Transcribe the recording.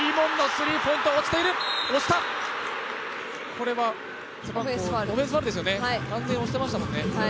これはオフェンスファウルですよね、完全に押してましたもんね。